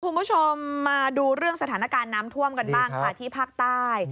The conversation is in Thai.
คุณผู้ชมมาดูเรื่องสถานการณ์น้ำท่วมกันบ้างค่ะที่ภาคใต้